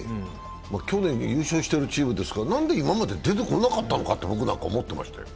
去年優勝しているチームですから、なんで今まで出てこなかったのかと僕なんか思ってましたよ。